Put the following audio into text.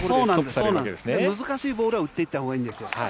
そうなんです、難しいボールは打っていったほうがいいんですよ。